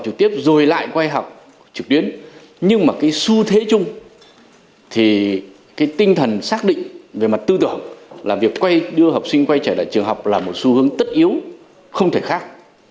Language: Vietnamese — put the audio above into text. tư tưởng là việc đưa học sinh trở lại trường học là một xu hướng tất yếu không thể khác